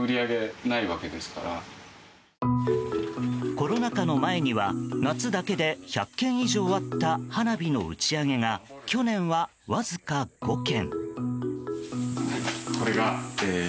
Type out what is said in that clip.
コロナ禍の前には夏だけで１００件以上あった花火の打ち上げが去年はわずか５件。